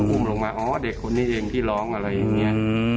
อุ้มลงมาอ๋อเด็กคนนี้เองที่ร้องอะไรอย่างนี้